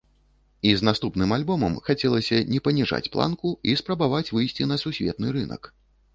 І з наступным альбомам хацелася не паніжаць планку і спрабаваць выйсці на сусветны рынак.